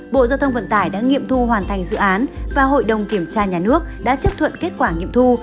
bộ giao thông vận tải đã nghiệm thu hoàn thành dự án và hội đồng kiểm tra nhà nước đã chấp thuận kết quả nghiệm thu